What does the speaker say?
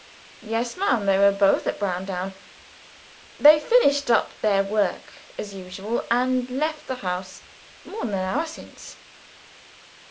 "Yes, ma'am they were both at Browndown. They finished up their work as usual and left the house more than an hour since."